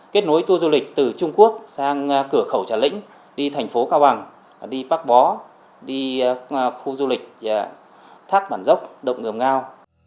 kết nối tour du lịch từ trung quốc sang cửa khẩu trà lĩnh đi thành phố cao bằng đi bác bó đi khu du lịch thác bản dốc động ngầm ngao